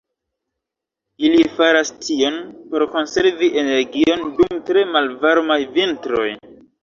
Ili faras tion por konservi energion dum tre malvarmaj vintroj.